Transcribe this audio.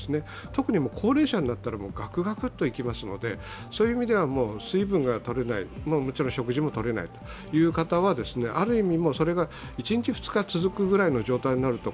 特に高齢者になったらがくがくっといきますので、そういう意味では、水分がとれないもちろん食事もとれない方はある意味、それが１２日続くぐらいの状態になると